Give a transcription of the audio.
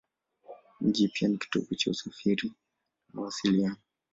Mji ni pia kitovu cha usafiri na mawasiliano.